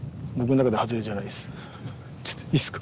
ちょっといいですか？